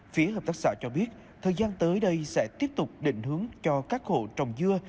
phía hợp tác xã cho biết thời gian tới đây sẽ tiếp tục định hướng cho các hộ trồng dưa